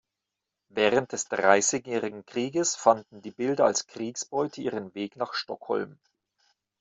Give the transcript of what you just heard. Während des Dreißigjährigen Krieges fanden die Bilder als Kriegsbeute ihren Weg nach Stockholm.